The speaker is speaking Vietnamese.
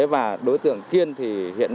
và đối tượng kiên đã bắt giữ một đối tượng vũ